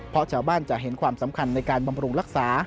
เพราะชาวบ้านจะเห็นความสำคัญในการบำรุงรักษา